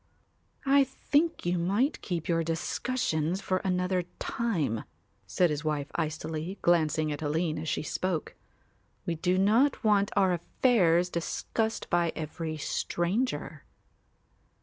"I think you might keep your discussions for another time," said his wife icily, glancing at Aline as she spoke; "we do not want our affairs discussed by every stranger."